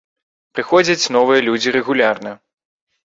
Прыходзяць новыя людзі рэгулярна.